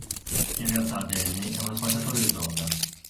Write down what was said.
In realtà Danny è uno spacciatore di droga.